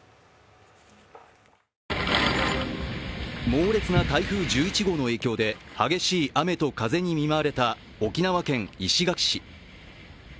猛烈な台風１１号の影響で激しい雨と風に見舞われた沖縄県石垣市。